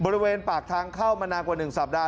บริเวณปากทางเข้ามานานกว่า๑สัปดาห